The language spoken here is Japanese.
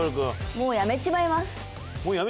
「もう辞めちまいます」？